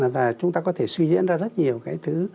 và chúng ta có thể suy diễn ra rất nhiều cái thứ